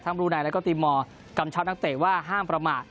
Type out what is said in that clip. ทั้งลูนัยแล้วก็ทีมมอร์กำชาวนักเตะว่าห้ามประมาท